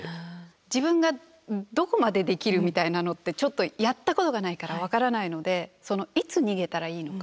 自分がどこまでできるみたいなのってちょっとやったことがないから分からないのでそのいつ逃げたらいいのか。